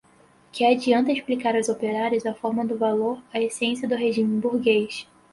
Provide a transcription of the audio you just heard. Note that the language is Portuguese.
que adianta explicar aos operários a forma do valor, a essência do regime burguês